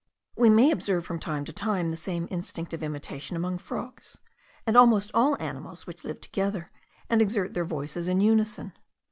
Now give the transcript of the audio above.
We may observe from time to time the same instinct of imitation among frogs, and almost all animals which live together and exert their voices in union.